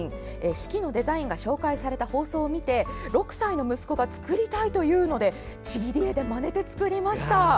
四季のデザインが紹介された放送を見て６歳の息子が作りたいというのでちぎり絵でまねて作りました。